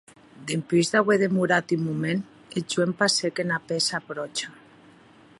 Dempús d’auer demorat un moment, eth joen passèc ena pèça pròcha.